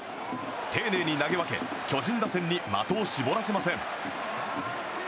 丁寧に投げ分け巨人打線に的を絞らせません。